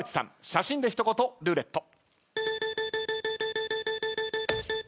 写真で一言ルーレット。